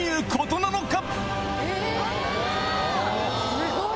すごい！